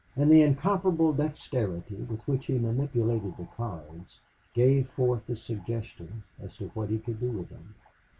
And the incomparable dexterity with which he manipulated the cards gave forth the suggestion as to what he could do with them.